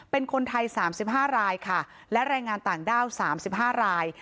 เป็นคนไทย๓๕รายค่ะและแรงงานต่างด้าว๓๕ราย